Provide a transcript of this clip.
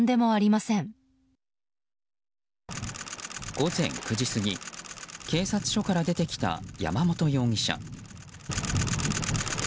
午前９時過ぎ警察署から出てきた山本容疑者。